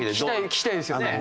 聞きたいですよね。